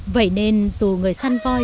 vậy nên dù người săn voi